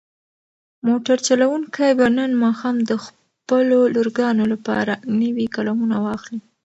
موټر چلونکی به نن ماښام د خپلو لورګانو لپاره نوې قلمونه واخلي.